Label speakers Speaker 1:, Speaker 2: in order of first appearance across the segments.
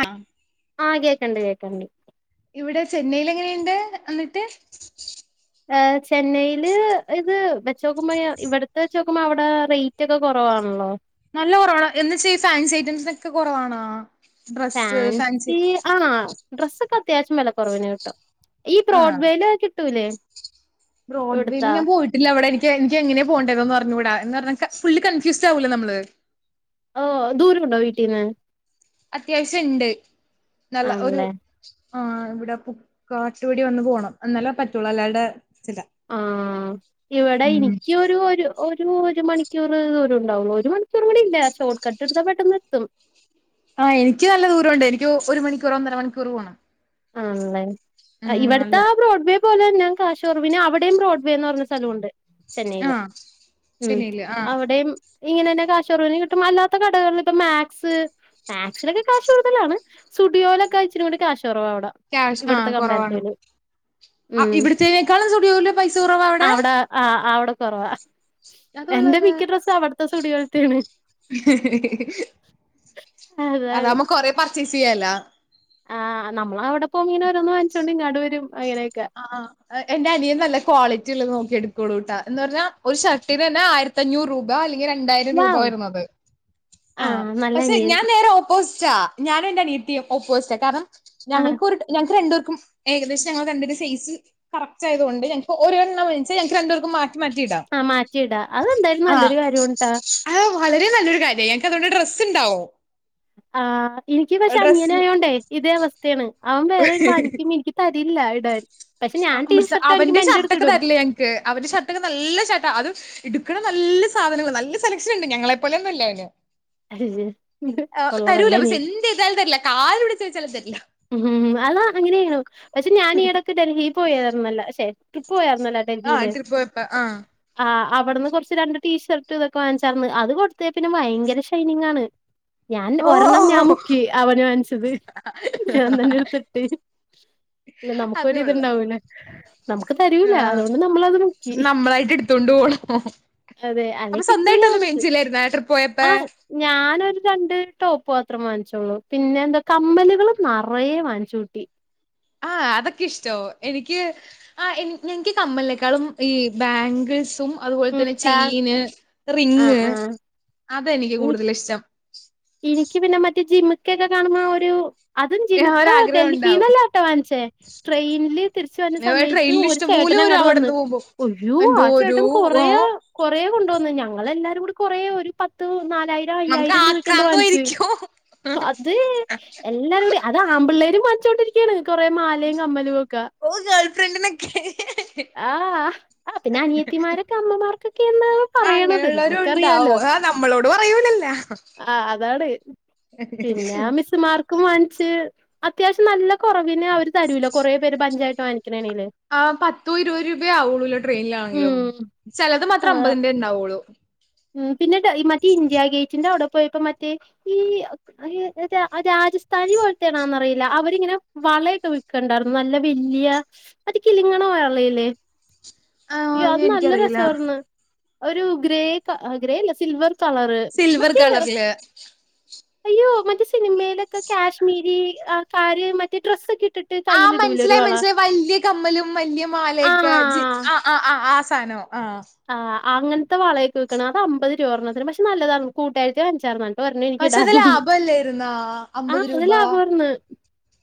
Speaker 1: ആഹ്
Speaker 2: ആഹ് കേക്കണ്ടണ്ട് കേക്കണ്ടണ്ട്
Speaker 1: ഇവിടെ ചെന്നൈൽ എങ്ങനെയുണ്ട് എന്നിട്ട്
Speaker 2: ് ചെന്നൈയില് ഇത് വെച്ച നോക്കുമ്പോ ഇവിടുത്തെ വെച്ച നോക്കുമ്പോ അവിടെ റേറ്റ് ഒക്കെ കുറവാണല്ലോ
Speaker 1: നല്ല കുറവാണ് എന്ന വച്ചാ ഈ ഫാൻസി ഐറ്റംസിനൊക്കെ കുറവാണാ
Speaker 2: ഫാൻസി ആഹ് ഡ്രസ്സ് ഒക്കെ അത്യാവശ്യം വില കുറവിന കിട്ടും ഈ ബ്രോഡ്ബെൽ കിട്ടൂലേ
Speaker 1: ബ്രോഡ് വീല്
Speaker 2: ഇവിടുത്താ
Speaker 1: ങ്‌ഞാ പോയിട്ട് ഇല്ല അവിടെ എനിക്ക് എനി എങ്ങനെയെ പോണ്ടഎന്ന് അറഞ്ഞുട എന്ന് പറാഞാ ഫുള് കൺഫ്യൂസ്ഡ ആാവൂല്ലേ നമ്മള്
Speaker 2: ഓ ദൂരമുണ്ടോ വീട്ടീന്ന്
Speaker 1: അത്യാവശ്യംണ്ട് നല്ല ഒരു
Speaker 2: ആണല്ലേ
Speaker 1: ആഹ്ഇവിടെ പുക്ക കാട്ടുവടി വന്ന് പോണം എന്നാലേ പറ്റുള്ളൂ അല്ലാട്പറ്റില
Speaker 2: ആഹ് ഇവിടെ നിക്ക് ഒരു ഒരു ഒരു മണിക്കൂറ് ദൂരം ഉണ്ടാവുള്ളൂ ഒരു മണൂ കോർഇല്ല ഷോർട്ട് കട്ട്ടുത്താ പെട്ടെന്ന് എത്തും
Speaker 1: ആഹ് എനിക്ക് നല്ല ദൂര ഉണ്ട് എനിക്ക് ഒരു മണിക്കൂർ ഒന്നര മണിക്കൂർ പോണം
Speaker 2: ആണല്ല
Speaker 1: ഉം
Speaker 2: ഇവിടുത്തെ
Speaker 1: നല്ല
Speaker 2: ആ ബ്രോഡ് വേ ഇതുപോലെന്നെ കാഷോർ വിന്ഞാ അവിടെയും റോഡ് വേ എന്ന് പറഞ്ഞ സ്ഥലണ്ട് ചെന്നൈയിലും
Speaker 1: ആഹ്
Speaker 2: ഉം
Speaker 1: ചെന്നൈയില് ആഹ്
Speaker 2: അവിടെയും ഇങ്ങനെ തന്നെ കാഷോറവിന് കിട്ടും അല്ലാത്ത കടകള് മാക്സ് മാക്സിനൊക്കെ കാശ് കൂടുതലാണ് സുടിയോലൊക്കെ ഇച്ചി നികോണ്ട് കാശ് കുറവാ അവിടെ
Speaker 1: ക്യാഷ് ആഹ്
Speaker 2: ഇവിടത്തെ
Speaker 1: കുറവാണ്
Speaker 2: കമ്പാരിറ്റീവില് ഉം
Speaker 1: ഇവിടത്തേ നേക്കാളും സുടിയോയില് പൈസ കുറവാ
Speaker 2: അവിടെ ആ അവിടെ കുറവാ
Speaker 1: അത്
Speaker 2: എന്റെ
Speaker 1: കൊള്ളാലോ
Speaker 2: മിക്ക ഡ്രസ്സ് അവിടുത്തെ സുടിയോത്തണ്
Speaker 1: [unintelligible]
Speaker 2: അതാണ്
Speaker 1: അതാവുമ്പോ കൊറെ പർച്ചേസ് ചെയ്യാലോ
Speaker 2: ആഹ് നമ്മള അവിടെ പോക്പ ഇങ്ങനെ ഓ രോന്ന് വാങ്ങിച്ചുകോണ്ട ഇങ്ങടുവരും അങ്ങനെയൊക്കെ
Speaker 1: ആഹ് അ എന്റെ അനിയെ നല്ല ക്വാളിറ്റി ഉള്ളത് നോക്കി എടുക്കോള്ളൂട്ടോ എന്ന് പറഞ്ഞാൽ ഒരു ഷർട്ടിന്ന് തനെ ആയിര ആയിരത്തഞ്ഞൂറ് രൂപ അല്ലെങ്കിൽ രണ്ടായിരം
Speaker 2: വൗ
Speaker 1: രൂപ വരുന്നത് ആ
Speaker 2: നല്ല
Speaker 1: പക്ഷെ
Speaker 2: അനിയൻ
Speaker 1: ഞാൻ നേരെ ഓ ഓ പോസ്റ്റ ഞാനും എന്റെ അനിയത്തിയുംഓപോസ്റ്റ കാരണം
Speaker 2: ആ
Speaker 1: ഞങ്ങക്ക് ഞങ്ങക്ക് രണ്ടപേർക്കും ഏകദേശം ഞങ്ങള് രണ്ട് പേർക്കും ഒരു സൈസ് കറക്റ്റ് ആയത കൊണ്ട്ഞൾക്ക്ഒര്ണ്ണ ഞക്ക് രണ്ട പേർക്കും മാ
Speaker 2: ആഹ് മാറ്റിയിടാ അതെന്തായാലും നല്ലൊരു കാര്യംട്ടാ
Speaker 1: അഹ വളരെ നല്ലൊ കാര്യ ഞങ്ങക്ക് അതോടെ ഡ്രസ്സ് ഉണ്ടാവോ
Speaker 2: ആ ഹ്എനിക്ക് പക്ഷെ അനിയനാന
Speaker 1: ഡ്രസ്സ്
Speaker 2: ആയോണ്ടേ ഇതേ അവസ്ഥയാണ് അവൻ വേറെ ഒരു വാനിക്കുമ്പ എനിക്ക് തരില്ല ഇടൻ
Speaker 1: അമൃ അവന്റെ ഷർട്ട ഒക്കെ തരില്ലേ ഞക്ക് അവന്റെ ഷർട്ട ഒക്കെ നല്ല ഷർട്ടാ അത് ഇടുക്കണ നല്ല സാധനങ്ങ നല്ല സെലക്ഷൻ ഉണ്ട് ഞങ്ങളെപ്പോലെ ഒന്നല്ല അവന്
Speaker 2: അജ് കൊള്ള കൊള്ള നല്ല അനിയൻ
Speaker 1: താൾ തരില്ല കാല് വിടിച്ച ചോദച്ചാലും തരില്ല.
Speaker 2: ഉം അതാ അങ്ങനെയും പക്ഷെ ഞാൻ ഈടൊക്ക് ഡൽഹിയിൽ പോയിയിരുന്നുല്ല ശെ പോയരുനല്ലേ
Speaker 1: ആ
Speaker 2: ഡൽഹിയില്.
Speaker 1: ട്രിപ്പ് പോയപ്പോ ആ
Speaker 2: ആഹ് അവിടുന്ന് കുറച്ച് രണ്ട് ടീ ഷർട്ട് ഇതൊക്കെ വാങ്ങിച്ചാർന്ന് അത് കൊടുത്ത് പിന്നെ ഭയങ്കര ഷൈനിങ് ആണ്.
Speaker 1: [inaudible]
Speaker 2: ഞാൻ ഒരെണ്ണം ഞാൻ
Speaker 1: ഓ
Speaker 2: മുക്കി അവന് വാങ്ങ്ച്ചത് ഞാൻതന്നെ എട്ത്തിട്ട്. ഇല്ല
Speaker 1: അതേ
Speaker 2: നമുക്കൊര്
Speaker 1: ഉള്ളു
Speaker 2: ഇത്ണ്ടാവൂല്ലെ. നമുക്ക് തരൂല
Speaker 1: ആ
Speaker 2: അതുകൊണ്ട് നമ്മളത് മുക്കി.
Speaker 1: നമ്മളായിട്ട് എടുത്തോണ്ട് പോണം
Speaker 2: അതെ അല്ലെ
Speaker 1: അപ്പൊ
Speaker 2: കിട്ടൂല
Speaker 1: സ്വന്തമായിട്ടൊന്നും
Speaker 2: നമുക്ക്.
Speaker 1: മേടിച്ചില്ലായിരുന്നോ ട്രിപ്പ് പോയപ്പോ
Speaker 2: ആഹ് ഞാനൊരു രണ്ട് ടോപ്പ്മാത്രം വാങ്ങ്ച്ചൊളൂ പിന്നെ എന്താ കമ്മലുകള്. നറെ വാങ്ങിച്ച്കോട്ടി.
Speaker 1: ആഹ് അതൊക്കെ ഇഷ്ടോ എനിക്ക്. ആഹ് എൻ എനിക്ക് കമ്മല്നെക്കാളും ഈ ബാങ്കിൾസും. അതുപോലെ
Speaker 2: ഉം
Speaker 1: തന്നെ
Speaker 2: ബാഗ്
Speaker 1: ചെയിന് റിങ്
Speaker 2: ആഹ് ആഹ്
Speaker 1: അതാനിക്ക് കൂടുതല്ഇഷ്ടം.
Speaker 2: എനിക്ക് പിന്നെ മറ്റേ ജിമ്ക്കെക്കെ കാണുമ്പോ ഒരു അതും
Speaker 1: ആ
Speaker 2: ജിമിക്ക
Speaker 1: ഒരാഗ്രഹം ഉണ്ടാവും
Speaker 2: ഡൽഹിന്നല്ലാട്ടോ വാങ്ങ്ച്ചേ ട്രെയിനിൽ തിരിച്ച് വരണ സമയത്ത്
Speaker 1: ട്രെയിനിൽ
Speaker 2: ഒര്
Speaker 1: ഇഷ്ടംപോലെ വരും
Speaker 2: ചേട്ടനങ്ങാട്ട് വന്ന്
Speaker 1: അവിടെന്ന് പോകുമ്പോ
Speaker 2: ഉയ്യോ
Speaker 1: എന്തോ
Speaker 2: ആഹ
Speaker 1: ഒരു
Speaker 2: ചേട്ടൻ
Speaker 1: ഓ
Speaker 2: കൊറേ കൊറേ കൊണ്ടുവന്ന് ഞങ്ങളെല്ലാരും കൂടി കൊറേ ഒരു പത്ത് നാലായിരം
Speaker 1: നമുക്ക്
Speaker 2: അയ്യായിരം രൂപ ക്കെന്തോ വാങ്ങ്ച്ച്
Speaker 1: ആക്രാന്തമായിരിക്കും
Speaker 2: അത് എല്ലാരൂടി അത് ആമ്പിള്ളേരും വാങ്ച്ചോണ്ടിരി ക്കാണ് കൊറെ മാലിം കമ്മലും ഒക്ക
Speaker 1: ഓഹ് ഗേൾഫ്രഡിനെക്കെ
Speaker 2: ആഹ് ആഹ് പിന്നെ അനിയത്തിമാരൊക്കെ അമ്മമാർക്കൊക്കെ എന്താവൊ
Speaker 1: ആഹ് അങ്ങനെയുള്ളോരു ഉണ്ടാവും ആഹ് നമ്മളോട് പറയൂല്ലല്ലോ.
Speaker 2: ആഹ് അതാണ് പിന്നെ മിസ്സ്മാർക്കും വാങ്ങിച്ച്. അത്യാവശ്യം നല്ല. കൊറവിന് അവര് തരൂല്ല കൊറേ പേര് ബഞ്ചായിട്ട് വാങ്ങിക്കണാണേല്.
Speaker 1: ആഹ് പത്തോ ഇരുപത് രൂപ ആവുള്ളുല്ലോ ട്രെയിനിലാണെങ്കിലും
Speaker 2: ഉം
Speaker 1: ചെലത്
Speaker 2: ആ
Speaker 1: മാത്രം അമ്പതിന്റെ ഇണ്ടാവുള്ളൂ.
Speaker 2: ഉം പിന്നെ മറ്റേ ഇന്ത്യഗേറ്റിന്റെ അവിടെ പോയപ്പോ മറ്റേ ഈ അയ് മറ്റേ രാജസ്ഥാനി പോലത്തെയാണാന്നറിയില്ല അവരിങ്ങനെ വളയൊക്കെ വിക്ക് ണ്ടാർന്ന് നല്ല വല്യ അത് കിലിങ്ങ്ണ വളയല്ലേ
Speaker 1: ആ
Speaker 2: അയ്യോ അത് നല്ല
Speaker 1: എനിക്കറിയില്ല
Speaker 2: രസാർന്ന് ഒരു ഗ്രേ ഗ്രേ അല്ല സിൽവർ കളറ്
Speaker 1: സിൽവർ
Speaker 2: മറ്റേ
Speaker 1: കളറില്
Speaker 2: അയ്യോ മറ്റേ സിനിമയിലൊക്കെ കാശ്മീരി ആക്കാര് മറ്റേ ഡ്രസ്സൊക്കെ ഇട്ടിട്ട്.
Speaker 1: ആഹ്
Speaker 2: കയ്യിലിടൂലേ ഒരു
Speaker 1: മനസ്സിലായി
Speaker 2: വള?
Speaker 1: മനസ്സിലായി വല്യ കമ്മലും വല്യ
Speaker 2: ആ!
Speaker 1: മാലെക്കെ ജി ആഹ്. ആഹ് ആഹ് ആസാനോ ആഹ്
Speaker 2: ആഹ് അങ്ങനത്തെ വളയെക്കെവിക്കണ് അത് അമ്പത് രൂപ ഒരെണ്ണത്തിന് പക്ഷെ നല്ലതാണ് കൂട്ടാരത്തി വാങ്ങിച്ചാർന്ന്. പറഞ്ഞ്
Speaker 1: പക്ഷെ അത്
Speaker 2: എനിക്കിടാണ്ട്
Speaker 1: ലാഭമല്ലായിരുന്നാ അമ്പത്
Speaker 2: ആഹ് അത്
Speaker 1: രൂപ
Speaker 2: ലാഭാർന്ന്.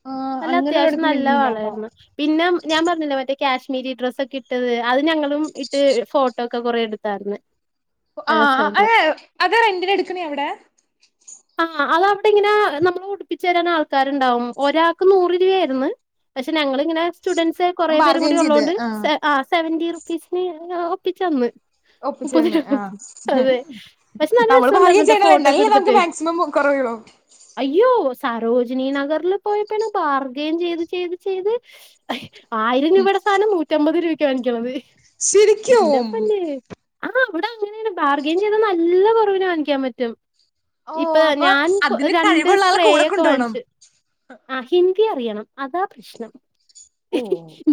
Speaker 1: ആ
Speaker 2: നല്ല അത്യാവിശ്യം
Speaker 1: അങ്ങനെയുള്ളടത്തും
Speaker 2: നല്ല
Speaker 1: മേടിക്കുന്ന ലാഭാ
Speaker 2: വളാര്ന്ന്. പിന്നെ ഞാൻ പറഞ്ഞില്ലെ മറ്റേ കാശ്മീരി ഡ്രസ്സൊക്കെ ഇട്ടത് അത് ഞങ്ങളും ഇട്ട് ഫോട്ടോ ട്ടൊക്കെ കൊറെ എട്ത്താർന്ന്.
Speaker 1: ആഹ് അതെ അത് റെന്റന് എടുക്കണെ അവിടെ
Speaker 2: ആഹ് അതവിടിങ്ങനെ നമ്മളെ ഉടിപ്പിച്ച് തരാൻ ആൾക്കാരുണ്ടാവും ഒരാൾക്ക് നൂറ് രൂപയാര്ന്ന്. പക്ഷെ ഞങ്ങളിങ്ങനെ സ്റ്റുഡന്റ്സ് കൊറേ പേരും
Speaker 1: ബാർഗൈൻ
Speaker 2: കൂടി
Speaker 1: ചെയ്ത്
Speaker 2: ഒള്ളോണ്ട്
Speaker 1: ആ
Speaker 2: സെ ആഹ് സെവന്റി റുപ്പീസിന് ഒപ്പിച്ചന്ന്.
Speaker 1: ഒപ്പിച്ചേന്ന് ആഹ്
Speaker 2: പക്ഷെ നല്ല
Speaker 1: നമ്മള് ഭാഗ്യം
Speaker 2: രസണ്ടായിരുന്നുട്ടോ
Speaker 1: ചെയ്യണല്ലെ
Speaker 2: ഫോട്ടോ ഒക്കെ
Speaker 1: എന്നാലല്ലെ നമുക്ക്
Speaker 2: എടുത്തിട്ട്
Speaker 1: മാക്സിമം കൊറയൊള്ളു.
Speaker 2: അയ്യോ സരോജിനി നഗറിൽ പോയപ്പാണ് ബാർഗേൻ ചെയ്ത് ചെയ്ത് ചെയ്ത് ആയിരം രൂപേടെ സാനം നൂറ്റമ്പത് രൂപയ്ക്കാ വാങ്ങിക്കണത്
Speaker 1: ശരിക്കും
Speaker 2: എന്താപ്പല്ലേ ആഹ് അവിടെ അങ്ങനേണ് ബാർഗയിൻ ചെയ്ത നല്ല കൊറവിന് വാങ്ങിക്കാൻ പറ്റും
Speaker 1: ഓ
Speaker 2: ഇപ്പ
Speaker 1: അപ്പൊ
Speaker 2: ഞാൻ
Speaker 1: അതിന്
Speaker 2: രണ്ട്
Speaker 1: കഴിവുള്ള ആളെ
Speaker 2: സ്പ്രേ
Speaker 1: കൂടെ
Speaker 2: ഒക്കെ
Speaker 1: കൊണ്ടുപോണം
Speaker 2: വാങ്ങ്ച്ച് ആഹ് ഹിന്ദി അറിയണം അതാ പ്രശ്നം
Speaker 1: ഓ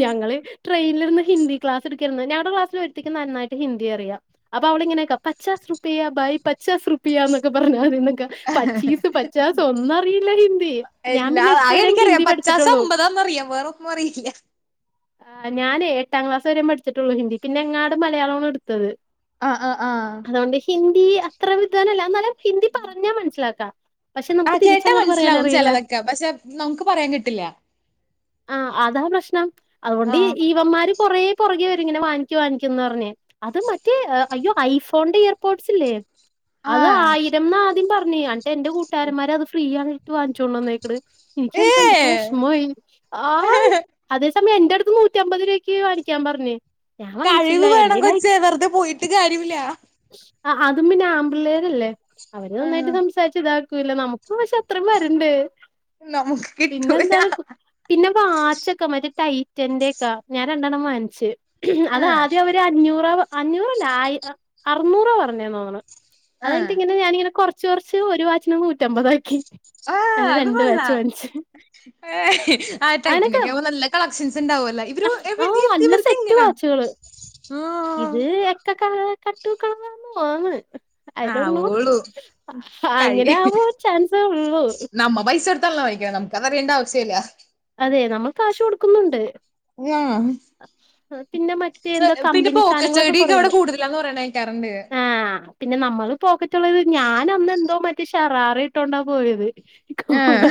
Speaker 2: ഞങ്ങള് ട്രെയിനിലിര്ന്ന് ഹിന്ദി ക്ലാസ് എടുക്കാര്ന്ന് ഞാടെ ക്ലാസിൽ ഒരുത്തിക്ക് നന്നായിട്ട് ഹിന്ദി അറിയാം അപ്പ അവളിങ്ങനയെക്കാ പച്ചാസ് റുപ്പിയ ഭായി പച്ചാസ് റുപ്യാന്നൊക്കെ പറഞ്ഞ ഓരൊന്നൊക്കെ പച്ചീസ് പച്ചാസ് ഒന്നും അറിയില്ല ഹിന്ദി ഞാൻ
Speaker 1: എല്ലാ
Speaker 2: പിന്നെ എട്ട്
Speaker 1: ആകെ
Speaker 2: വരേം ഹിന്ദി
Speaker 1: എനിക്കറിയാം പച്ചാസ്
Speaker 2: പഠിച്ചിട്ടൊള്ളൂ
Speaker 1: അമ്പതാന്നറിയാം വേറൊന്നും അറിയില്ല
Speaker 2: ആഹ് ഞാനെ എട്ടാം ക്ലാസ് വരെ പഠിച്ചിട്ടൊള്ളൂ ഹിന്ദിക്ക്‌ പിന്നെ എങ്ങാട് മലയാളാണ് എടുത്തത്
Speaker 1: ആഹ് ആഹ് ആഹ്
Speaker 2: അതൊണ്ട് ഹിന്ദി അത്ര വിദ്വാനല്ല എന്നാലും ഹിന്ദി പറഞ്ഞാ മനസ്സിലാക്കാം പക്ഷെ
Speaker 1: ആഹ്
Speaker 2: നമുക്ക്
Speaker 1: കേട്ടാ
Speaker 2: തിരിച്ചങ്ങോട്ട്
Speaker 1: മനസിലാവും
Speaker 2: പറയാനറിയില്ല
Speaker 1: ചെലതൊക്കെ പക്ഷെ നമുക്ക് പറയാൻ കിട്ടില്ല
Speaker 2: ആഹ് അതാ പ്രശ്നം അതുകൊണ്ട് ഈ
Speaker 1: ആഹ്
Speaker 2: ഇവന്മാര് കൊറേ പുറകെ വരും ഇങ്ങനെ വാങ്ങി ക്ക്‌ വാങ്ങിക്കിന്ന് പറഞ്ഞ് അത് മറ്റേ അയ്യോ ഐഫോണിന്റെ ഇയർപോഡ്സ് ഇല്ലേ അത്
Speaker 1: ആഹ്
Speaker 2: ആയിരംന്നാദ്യം പറഞ്ഞേ എന്നിട്ട് എന്റെ കൂട്ടുകാരന്മാര് അത് ഫ്രീയാ വാങ്ങിച്ചോണ്ട് വന്നേക്കണ്
Speaker 1: ഏ
Speaker 2: എനിക്കത് കണ്ടപ്പോ വിഷമായി ഹായ് അതെ ന്റമ്മേ എന്റടുത്ത് നൂറ്റമ്പത് രൂപക്ക് വാങ്ങിക്കാൻ പറഞ്ഞു
Speaker 1: കഴിവ് വേണം കൊച്ചേ വെറുതെ പോയിട്ട് കാര്യോല്ല
Speaker 2: ആഹ് അതും പിന്നെ ആമ്പിള്ളേരല്ലേ അവര് നന്നായിട്ട്
Speaker 1: ആഹ്
Speaker 2: സം സാരിച്ചിതാക്കൂലേ നമുക്ക് പക്ഷെ അത്രയും വരണ്ടേ
Speaker 1: നമുക്ക്
Speaker 2: പിന്നെ
Speaker 1: കിട്ടൂല
Speaker 2: എന്താണ് പിന്നെ വാച്ചൊക്കെ മറ്റേ ടൈറ്റന്റെയൊക്കെ ഞാൻ രണ്ടെണ്ണം വാങ്ങിച്ചു അത്
Speaker 1: ആഹ്
Speaker 2: ആദ്യം അവര് അഞ്ഞൂറാ അഞ്ഞൂറല്ല ആയിരം അറുന്നൂറാ പറഞ്ഞേന്ന് തോന്നുണു അത്
Speaker 1: ആഹ്
Speaker 2: കഴിഞ്ഞിട്ട് ഇങ്ങനെ ഞാനിങ്ങനെ കൊറച്ച് കൊറച്ച് ഒരു വാച്ചിന് നൂറ്റമ്പതാക്കി
Speaker 1: ആഹ്
Speaker 2: അങ്ങനെ
Speaker 1: അത്
Speaker 2: രണ്ട് വാച്ച്
Speaker 1: കൊള്ളാം
Speaker 2: വാങ്ങിച്ച്
Speaker 1: ഏയ് ആഹ്
Speaker 2: അങ്ങനൊക്കെ
Speaker 1: ടൈറ്റന്റൊക്കെ ആവുമ്പോ നല്ല കളക്ഷൻസ് ഉണ്ടാവല്ലോ ഇവര് ഇവർക്കെങ്ങനെയാണ്
Speaker 2: ച്ചള് ഇത് എക്ക ക കട്ടക്കളന്ന് വന്ന് [unintelligible]
Speaker 1: ആഹ് ഓളു
Speaker 2: അങ്ങനെ
Speaker 1: കഴി
Speaker 2: ആവാൻ ചാൻസേ ഉള്ളൂ
Speaker 1: നമ്മ പൈസ കൊടുത്താണല്ലോ വാങ്ങിക്കണെ കാരണം അറിയേണ്ടാവശ്യം ഇല്ല
Speaker 2: അതെ നമ്മ കാശു കൊടുക്കുന്നുണ്ട്
Speaker 1: ങ്ങാഹ്
Speaker 2: പിന്നെ മറ്റേ എന്താ
Speaker 1: പ പിന്നെ
Speaker 2: കമ്പനി സാധനങ്ങളൊക്കെ
Speaker 1: പോക്കറ്റടിക്കെ
Speaker 2: കൊറേണ്ട്
Speaker 1: അവിടെ കൂടുതലാന്ന് പറയണ കേക്കാറുണ്ട്
Speaker 2: ആഹ് പിന്നെ നമ്മള് പോക്കറ്റുള്ളത് ഞാന് അന്ന് എന്തോ മറ്റേ ഷറാറ ഇട്ടോണ്ടാ പോയത്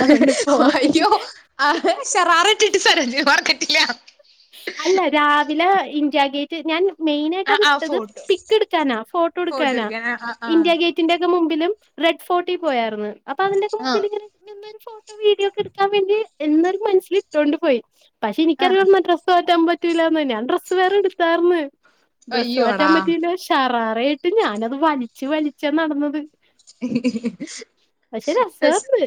Speaker 2: അതുകൊണ്ട് പോക്കറ്റ്
Speaker 1: ആഹ് ഷറാറ ഇട്ടിട്ട് സരോജിനി മാർക്കറ്റിലോ
Speaker 2: അല്ല രാവിലെ ഇന്ത്യാഗേറ്റ് ഞാൻ മെയിനായിട്ട്
Speaker 1: ആ
Speaker 2: അത്
Speaker 1: ആ
Speaker 2: ഇട്ടത്
Speaker 1: ഫോട്ടോ
Speaker 2: പിക്കെടുക്കാനാ ഫോട്ടോ എടുക്കാനാ
Speaker 1: എടുക്കാൻ ആ ആ
Speaker 2: ഇന്ത്യ ഗേ തിന്റൊക്കെ മുമ്പിലും റെഡ് ഫോർട്ടി പോയായിരുന്നു അപ്പൊ അതിന്റെ
Speaker 1: ആഹ്
Speaker 2: അവിടെ നിന്നൊരു ഫോട്ടോ വീഡിയോ ഒക്കെ എടുക്കാൻ വേണ്ടിയെന്നൊരു മനസ്സില് ഇട്ടോണ്ട് പോയി പക്ഷെ
Speaker 1: ആ
Speaker 2: എനിക്കറിയാന്ന് ഡ്രസ്സ് മാറ്റാൻ പറ്റൂലാന്ന് ഞാൻ ഡ്രസ്സ് വേറെ എടുത്താർന്ന് ഡ്രസ്സ് മാറ്റാൻ
Speaker 1: അയ്യോടാ
Speaker 2: പറ്റീലാ ഷറാറ ഇട്ട് ഞാനത് വലിച്ച് വലിച്ചാ നടന്നത്
Speaker 1: ഹി ഹി
Speaker 2: പക്ഷെ
Speaker 1: ഹി പസ്
Speaker 2: രസാർന്ന്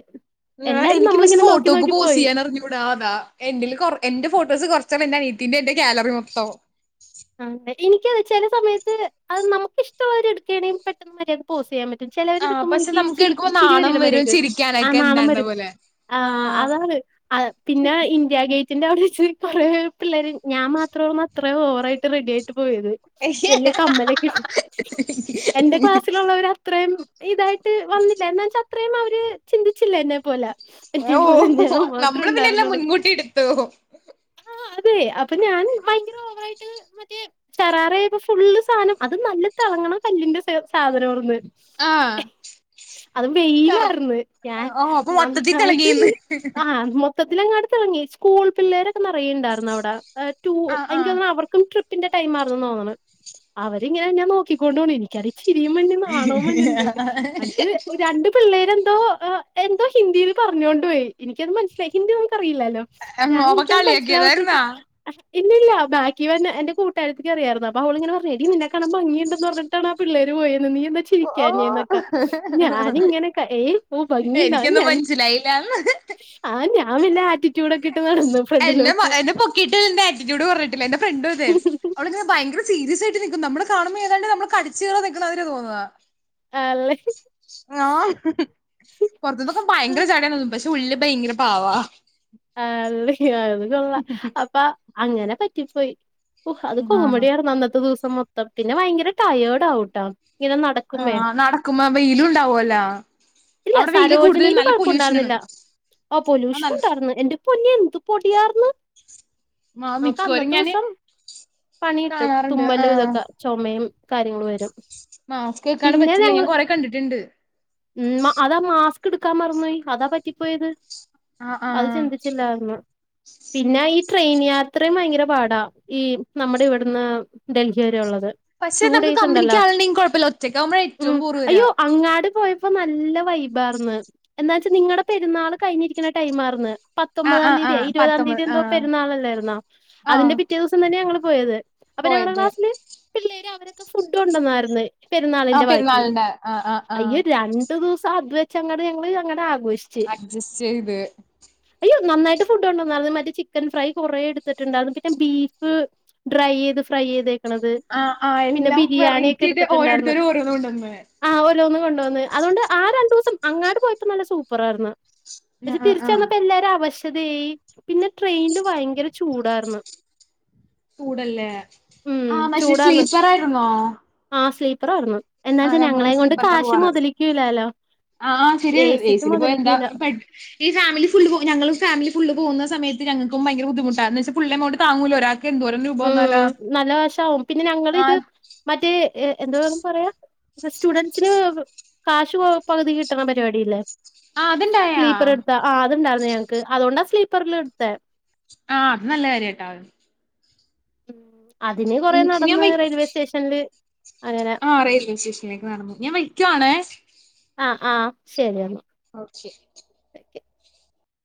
Speaker 2: എല്ലാരും
Speaker 1: എനിക്ക് പക്ഷെ
Speaker 2: നമ്മളിങ്ങനെ നോക്കി
Speaker 1: ഫോട്ടോക്ക്‌
Speaker 2: നോക്കി പോയി
Speaker 1: പോസിയാനറിഞ്ഞൂടാ അതാ എന്റെല് കൊറ എന്റെ ഫോട്ടോസ് കൊറച്ചാണ് എന്റെ അനിയത്തീന്റെ എന്റെ ഗ്യാലറി മൊത്തം
Speaker 2: ഉം എനിക്കതെ ചെല സമയത്ത് അത് നമുക്ക് ഇഷ്ടൊള്ളവരുടെ എടുക്കാണെങ്കിൽ പെട്ടെന്ന് വരും പോസ് ചെയ്യാൻ പറ്റും ചെലോര്
Speaker 1: ആ
Speaker 2: എടുക്കുമ്പോ
Speaker 1: പക്ഷെ
Speaker 2: എനിക്ക്‌
Speaker 1: നമുക്ക്
Speaker 2: ചിരി
Speaker 1: എടുക്കുമ്പോ
Speaker 2: ചിരി
Speaker 1: നാണം
Speaker 2: വരൂലോ
Speaker 1: വരും
Speaker 2: അവര്ക്ക് ആ
Speaker 1: ചിരിക്കാനൊക്കെ
Speaker 2: നാണം
Speaker 1: എന്താണ്ട
Speaker 2: വരും
Speaker 1: പോലെ ആ
Speaker 2: ആഹ് അതാണ് ആഹ് പിന്നെ ഇന്ത്യാഗേറ്റിന്റെ അവിടെച്ച് കുറേ പിള്ളേര് ഞാൻ മാത്രേ അത്രയും ഓവറായിട്ട് റെഡി ആയിട്ട് പോയത് വല്ല്യ കമ്മലൊക്കെ ഇട്ട് എന്റെ ക്ലാസ്സിലുള്ളവര് അത്രയും ഇതായിട്ട് വന്നില്ലാ എന്ന് വെച്ചാ അത്രയും അവര് ചിന്തിച്ചില്ല എന്നെ പോലെ എന്നെ പോലെ
Speaker 1: ഓഹ്
Speaker 2: ഞാൻ മാത്രേ
Speaker 1: നമ്മള് പിന്നെ എല്ലാം മുൻകൂട്ടി എടുത്തു
Speaker 2: ആഹ് അതെ അപ്പൊ ഞാൻ ഭയര ഓവ ട്ട് മറ്റേ ഷറാറയൊക്കെ ഫുള്ള് സാധനം അത് നല്ല തെളങ്ങണ കല്ലിന്റെ സാധനോർന്ന്
Speaker 1: ആഹ്
Speaker 2: അത് വെയിലാർന്ന് ഞാൻ
Speaker 1: അപ്പൊ മൊത്തത്തിൽ
Speaker 2: നന്നായിട്ടത്
Speaker 1: തിളങ്ങിന്ന്
Speaker 2: ആഹ് മൊ ത്തത്തിലങ്ങാട് തെളങ്ങി സ്കൂൾ പിള്ളേരൊക്കെ നെറയെണ്ടാർന്നു അവിടെ ട്യൂ
Speaker 1: ആഹ്
Speaker 2: എനിക്ക്‌ തോന്നണേ
Speaker 1: ആഹ്
Speaker 2: അവർ ക്കും ട്രിപ്പിന്റെ ടൈമാർന്നാ തോന്നണേ അവരിങ്ങനെ എന്നെ നോക്കിക്കോണ്ടോണ് എനിക്കാണി ചിരിയും വന്ന് നാണോം വന്ന്ണ്ട് അന്ന്ട്ട് രണ്ട് പിള്ളേരെന്തോ ഏ എന്തോ ഹിന്ദിയിൽ പറഞ്ഞോണ്ട് പോയി എനിക്കത് മനസ്സിലായി ഹിന്ദി നമുക്ക റിയില്ലാലോ ഞാൻ
Speaker 1: ഓപ്പ
Speaker 2: ഇക്കത് മനസ്സിലാവാത്തണ്ട്
Speaker 1: കളിയാക്കിയതായിരുന്നാ
Speaker 2: അക്കുന്നില്ല ബ ഇവ ന്നെ എന്റെ കൂട്ടാരത്തിക്ക റിയാർന്ന് അപ്പ അവളിങ്ങന പറ ഞ്ഞ് നിന്നെ കാണാം ഭംഗിയുണ്ടന്ന് പറഞ്ഞിട്ടാണ് ആ പിള്ളേര് പോയന്ന് നീഎന്താച്ച ചിരിക്കാഞ്ഞ്ന്നൊക്കെ ഞാനിങ്ങനെക്ക ഏയ് പോ ഭംഗിണ്ടാ
Speaker 1: എനിക്കൊന്നും
Speaker 2: ഞാൻ
Speaker 1: മനസ്സിലായില്ലാന്ന്
Speaker 2: ആഹ് ഞാൻ വല്ല ആറ്റിറ്റ്യൂഡ് ഒക്കെ ഇട്ട് നടന്നു ഫ്രണ്ടിലോട്ട്
Speaker 1: കിട്ടൽന്റെ ആറ്റിറ്റ്യൂഡ് പറഞ്ഞിട്ടില്ല എന്റെ ഫ്രണ്ടു അതെ അവിടെ ഭയങ്കര സീരിയസ് ആയിട്ട് നിക്കും നമ്മള് കാണുമ്പോ ഏതാണ്ട് നമ്മള് കടിച് കീറാൻ നിക്ക്ണയിര്യാ തോന്നാ
Speaker 2: ആല്ലേ
Speaker 1: ആഹ് പൊറത്തന്നൊക്കെ ഭയങ്കര ജാഡണന്നും പക്ഷെ ഉള്ളില് ഭയങ്കര പാവാ
Speaker 2: ആഹ് ള്ള അത്‌ കൊള്ളാ അപ്പ അങ്ങനെ പറ്റിപ്പോയ് ഓഹ് അത്
Speaker 1: ആഹ്
Speaker 2: കോമഡിയാർന്ന് അന്നത്തെ ദിവസം മൊത്തം പിന്നെ ഭയങ്കര ടയേഡ് ആവുട്ടാ ങ്ങനെ നട
Speaker 1: ആഹ് നടക്കുമ്പ വെയിലു ണ്ടാവോല്ലോ
Speaker 2: ഇല്ല സരോജിനീല് കൊഴപ്പണ്ടാർന്നില്ല ഓഹ്
Speaker 1: ആഹ്
Speaker 2: പൊല്യൂഷൻ ഒണ്ടാർന്ന് എന്റെ പൊന്നി എന്ത് പൊടിയാർന്ന്
Speaker 1: നല്ല
Speaker 2: നമുക്ക്
Speaker 1: മിക്കവരും ഞാന്
Speaker 2: അന്നത്തുസം പണിട്ടും
Speaker 1: കാണാറുണ്ട് ആഹ്
Speaker 2: തുമ്മലുതൊക്കെ ചുമയും കാര്യങ്ങള് വരും
Speaker 1: മാസ്ക് വെക്കാണ്ടെ
Speaker 2: പിന്നെ
Speaker 1: പറ്റില്ല ഞാൻ
Speaker 2: ഞങ്ങള്
Speaker 1: കൊറെ കണ്ടിട്ട്ണ്ട്
Speaker 2: ഉം അതാ മാസ്ക് എടുക്കാൻ മറന്നോയി അതാ പറ്റിപ്പോയത്
Speaker 1: ആഹ്
Speaker 2: അത്
Speaker 1: ആഹ്
Speaker 2: ചിന്തിച്ചില്ലാർന്ന് പിന്നെ ഈ ട്രെയിൻ യാത്രി ഭയങ്കര പാടാ ഈ നമ്മടെവിട്ന്ന് ഡൽഹി വരെ ഒള്ളത്
Speaker 1: പക്ഷെ
Speaker 2: ടു
Speaker 1: നമുക്ക്
Speaker 2: ഡേയ്സ്
Speaker 1: കമ്പനിക്ക്
Speaker 2: ഉണ്ടല്ലോ
Speaker 1: ആളുണ്ടെങ്കിൽ കുഴപ്പമില്ല ഒറ്റക്കാവുമ്പോഴാ ഏറ്റവും
Speaker 2: ഉം
Speaker 1: ബോറ് വരാ
Speaker 2: അയ്യോ അങ്ങാട് പോയ ഇപ്പ നല്ല വൈബാർന്ന് എന്താച്ചാ നിങ്ങടെ പെരുന്നാൾ കയ്ഞ്ഞിരിക്കണ ടൈം ആർന്ന്
Speaker 1: ആഹ്
Speaker 2: പത്തൊമ്പതാം
Speaker 1: ആഹ്
Speaker 2: തീയതിയ
Speaker 1: ആഹ്
Speaker 2: ഇരുപതാം
Speaker 1: പത്തൊമ്പത്
Speaker 2: തീയതി എന്തോ
Speaker 1: ആഹ്
Speaker 2: പെരുന്നാളല്ലാർന്നോ
Speaker 1: ആഹ്
Speaker 2: അതിന്റെ പിറ്റേ ദിവസം തന്നെയ ഞങ്ങൾ പോയത് അപ്പൊ ഞങ്ങടെ
Speaker 1: പോയത്
Speaker 2: ക്ലാസ്സില് പിള്ളേര് അവരൊക്കെ ഫുഡോണ്ടന്നാർന്ന്
Speaker 1: ആ
Speaker 2: പെരുന്നാളിന്റെ ബാക്കി
Speaker 1: പെരുന്നാളിന്റെ ആഹ് ആഹ് ആഹ്
Speaker 2: അയ്യോ രണ്ടു ദിവസം അത് വെച്ചങ്ങട് ഞങ്ങള് അങ്ങടെ ആഘോഷിച്
Speaker 1: അഡ്ജസ്റ്റ് ചെയ്ത്
Speaker 2: അയ്യോ നന്നായിട്ട് ഫുഡ് കൊണ്ടന്നാർന്ന് മറ്റേ ചിക്കൻ ഫ്രൈ കുറെേ എടുത്തിട്ട്ണ്ടാർന്ന് പിന്നെ ബീഫ് ഡ്രൈയ്യീത് ഫ്രൈയ്യീത്
Speaker 1: ആഹ് ആഹ്
Speaker 2: പിന്നെ
Speaker 1: എല്ലാം വെറൈറ്റി
Speaker 2: ബിരിയാണിക്കെ
Speaker 1: ആയിട്ട്
Speaker 2: ട്ത്തിട്ട് ണ്ടാർന്ന്
Speaker 1: ഓരോരുത്തരും ഓരോന്ന് കൊണ്ടന്ന്
Speaker 2: ആഹ് ഓരോന്ന് കൊണ്ട് വന്ന് അത് കൊണ്ട് ആ രണ്ടുസം അങ്ങാട്ട് പോയപ്പോ നല്ല സൂപ്പറാർന്ന്
Speaker 1: ഞാ ആഹ് ആഹ്
Speaker 2: എല്ലാര് അവശതയായി പിന്നെ ട്രെയിനിൽ ഭയങ്കര ചൂടാരുന്ന്
Speaker 1: ചൂടല്ലേ
Speaker 2: ഉം
Speaker 1: ആഹ് മക്ഷേ സ്ലീപ്പറായിരുന്നോ
Speaker 2: ആഹ് സ്ലീപ്പറാർന്ന് എന്നാച്ചാ ഞങ്ങളെ കൊണ്ട്
Speaker 1: സ്ലീപ്പറിലാ
Speaker 2: കാശേ
Speaker 1: പോവാറ്
Speaker 2: മുതലിക്കൂല്ലല്ലോ
Speaker 1: ആഹ് ശരിയാ
Speaker 2: എ സി ക്ക്
Speaker 1: ഏസില് പോയ എന്താ
Speaker 2: മൊതലിക്കൂല
Speaker 1: പെട് ഈ ഫാമിലി ഫുള്ള് പോ ഞങ്ങളും ഫാമിലി ഫുള് പോവുന്ന സമയ ഞങ്ങക്കും ഭയങ്ക ബുധിമുട്ടാന്ന് എന്താച്ചാ ഫുള്ള് എമൗണ്ട് അങ്ങോട്ട് താങ്ങൂല ഒരാ എന്തോ ഗ്രൂ
Speaker 2: ഉം നല്ല കാശ് ആവും പിന്നെ ഞങ്ങളിത്
Speaker 1: ആഹ്
Speaker 2: മറ്റേ എന്ത വെന്ന് പറയാ സ്റ്റുഡന്റ്സിന് കാശ് പകുതി കിട്ടണ പരിപാടില്ലേ
Speaker 1: ആഹ് അത്ണ്ടായാ
Speaker 2: സ്ലീപ്പർ എടുത്ത ആതുണ്ടാർന്ന് ഞങ്ങക്ക് അതുകൊണ്ടാ സ്ലീപ്പറിൽടുത്തെ
Speaker 1: ആഹ് ത് നല്ല കാര്യാട്ടാ
Speaker 2: ഉം അതിന് കൊറെ
Speaker 1: ഞാൻ
Speaker 2: നടന്ന്
Speaker 1: വയ്
Speaker 2: റെയിൽവേ സ്റ്റേഷനില് അങ്ങനെ
Speaker 1: ആഹ് റെയിൽവേ സ്റ്റേഷനിലേക്ക് നടന്നു ഞാൻ വെക്കുവാണേ
Speaker 2: ആഹ് ആഹ് ശരി എന്ന
Speaker 1: ഓക്കെ
Speaker 2: ക്കെ